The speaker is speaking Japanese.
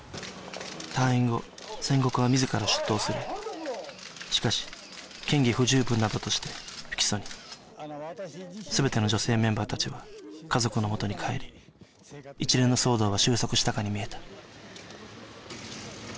退院後千石は自ら出頭するしかし嫌疑不十分などとして不起訴に全ての女性メンバー達は家族のもとに帰り一連の騒動は終息したかに見えた